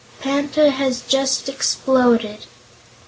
"Panta has just exploded."